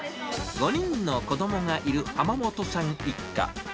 ５人の子どもがいる濱元さん一家。